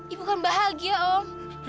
ibu kan bahagia om